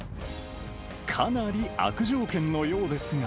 かなり悪条件のようですが。